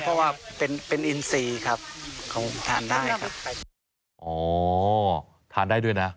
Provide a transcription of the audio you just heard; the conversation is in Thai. เพราะว่าเป็นเป็นอินซีครับเขาทานได้ครับอ๋อทานได้ด้วยนะ